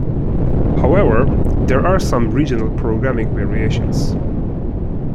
However, there are some regional programming variations.